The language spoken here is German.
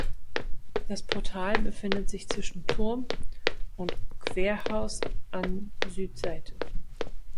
Das Portal befindet sich zwischen Turm und Querhaus an Südseite.